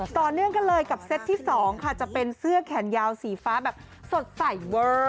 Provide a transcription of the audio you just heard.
ต่อเนื่องกันเลยกับเซตที่๒ค่ะจะเป็นเสื้อแขนยาวสีฟ้าแบบสดใสเวอร์